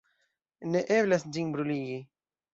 Ne eblas ĝin bruligi.